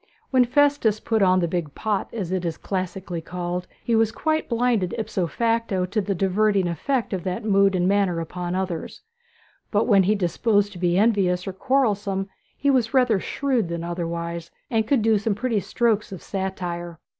When Festus put on the big pot, as it is classically called, he was quite blinded ipso facto to the diverting effect of that mood and manner upon others; but when disposed to be envious or quarrelsome he was rather shrewd than otherwise, and could do some pretty strokes of satire.